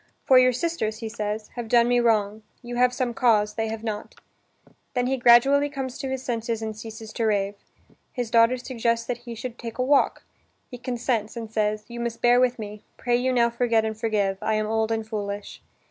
("For your sisters," he says, "have done me wrong: you have some cause, they have not.") Then he gradually comes to his senses and ceases to rave. His daughter suggests that he should take a walk. He consents and says: "You must bear with me. Pray you now forget and forgive: I am old and foolish."